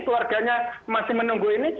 keluarganya masih menunggu ini